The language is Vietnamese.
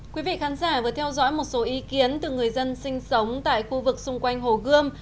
quý vị khán giả vừa theo dõi một số ý kiến từ người dân sinh sống tại khu vực xung quanh hồ gươm